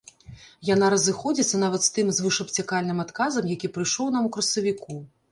Яна разыходзіцца нават з тым звышабцякальным адказам, які прыйшоў нам у красавіку.